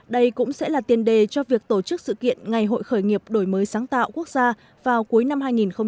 đây cũng sẽ là tiền đề cho việc tổ chức sự kiện ngày hội khởi nghiệp đổi mới sáng tạo quốc gia vào cuối năm hai nghìn hai mươi